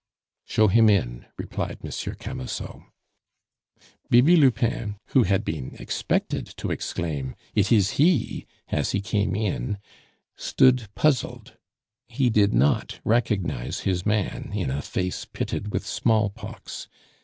"Show him in," replied M. Camusot. Bibi Lupin, who had been expected to exclaim, "It is he," as he came in, stood puzzled. He did not recognize his man in a face pitted with smallpox.